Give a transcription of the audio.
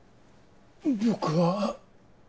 僕は。